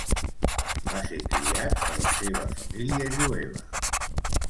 Va ser criat per la seua família jueva.